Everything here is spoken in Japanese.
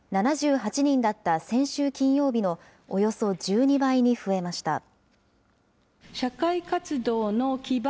７８人だった先週金曜日のおよそ１２倍に増えました。